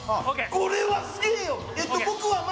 これはすげえよ！